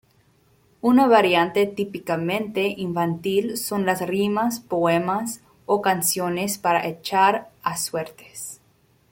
Una variante típicamente infantil son las rimas, poemas o canciones para echar a suertes.